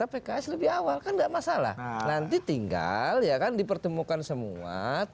karena di ini lobby eksekutif adalah p guided zil dan p tiga juga kefolderan suaranya mahal itu